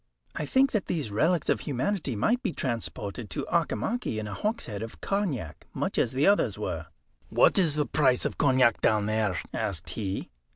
"I think that these relics of humanity might be transported to Auchimachie in a hogshead of cognac, much as the others were." "What is the price of cognac down there?" asked he.